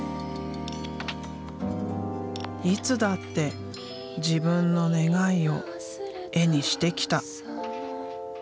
いつだって自分の願いを絵にしてきた。